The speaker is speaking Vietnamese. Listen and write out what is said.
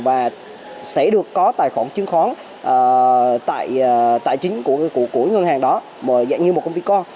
và sẽ được có tài khoản chứng khoán tại tài chính của ngân hàng đó dạng như một công ty con